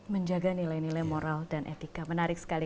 menjaga nilai nilai moral dan etika menarik sekali